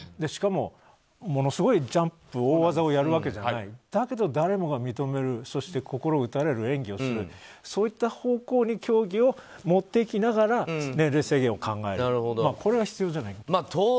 しかも、ものすごいジャンプ大技をやるわけじゃないだけど、誰もが認めるそして心を打たれる演技をするそういった方向に競技を持っていきながら年齢制限を考えることが必要じゃないかと。